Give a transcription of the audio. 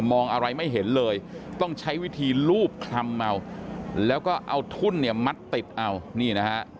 มองอะไรไม่เห็นเลยต้องใช้วิธีลูบคลำเอาแล้วก็เอาทุ่นเนี่ยมัดติดเอานี่นะฮะ